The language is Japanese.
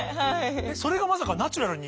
それがまさかナチュラルに。